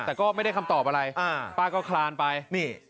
แต่ก็ไม่ได้คำตอบอะไรป้าก็คลานไปนี่